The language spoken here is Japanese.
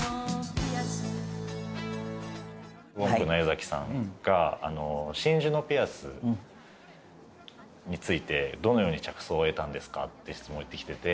ＷＯＮＫの江さんが『真珠のピアス』についてどのように着想を得たんですか？って質問を言ってきてて。